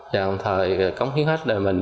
và đồng thời cống hiến hết đời mình